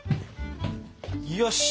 よし！